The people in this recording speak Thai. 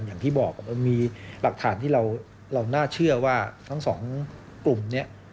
อย่างที่บอกมันมีหลักฐานที่เราน่าเชื่อว่าทั้งสองกลุ่มนี้